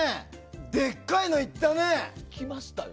でっかいのいったね。